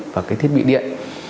và thiết bị điện